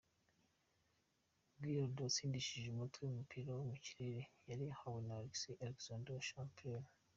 Giroud yatsindishije umutwe ku mupira wo mukirere yari ahawe na Alex Oxlade-Chamberlain.